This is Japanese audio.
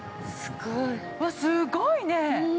すごいね。